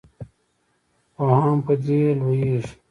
پوهان په دې لویږي.